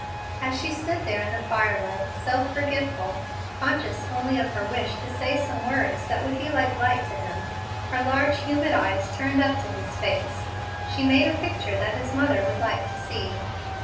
As she stood there in the firelight, self forgetful, conscious only of her wish to say some words that would be like light to him, her large, humid eyes turned up to his face, she made a picture that his mother would like to see.